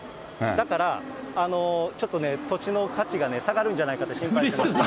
だから、ちょっとね、土地の価値が下がるんじゃないかって心配してました。